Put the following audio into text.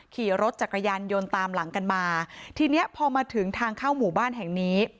ขี่รถจักรยานยนต์ตามหลังกันมาทีเนี้ยพอมาถึงทางเข้าหมู่บ้านแห่งนี้